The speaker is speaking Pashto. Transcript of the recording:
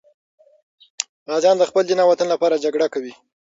غازیان د خپل دین او وطن لپاره جګړه کوي.